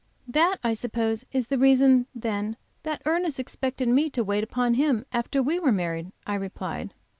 "That, I suppose, is the reason then that Ernest expected me to wait upon him after we were married," I replied.